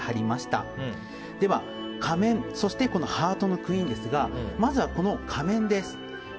では仮面そしてハートのクイーンですがまずは、この仮面です。